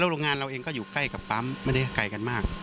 โรงงานเราเองก็อยู่ใกล้กับปั๊มไม่ได้ไกลกันมาก